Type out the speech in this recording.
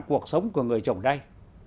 cuộc sống của người trồng đay